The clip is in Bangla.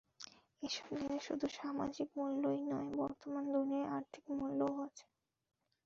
এসব জ্ঞানের শুধু সামাজিক মূল্যই নয়, বর্তমান দুনিয়ায় আর্থিক মূল্যও আছে।